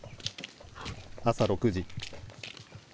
朝６時。